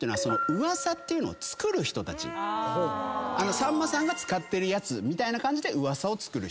さんまさんが使ってるやつみたいな感じで噂をつくる人。